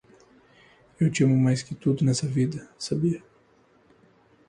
Eu te amo mais que tudo nessa vida, sabia?